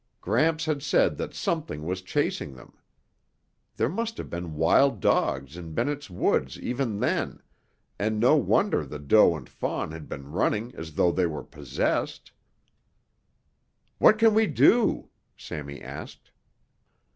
Gramps had said that something was chasing them. There must have been wild dogs in Bennett's Woods even then, and no wonder the doe and fawn had been running as though they were possessed. "What can we do?" Sammy asked.